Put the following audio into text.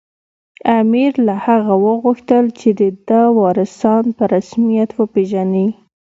امیر له هغه وغوښتل چې د ده وارثان په رسمیت وپېژني.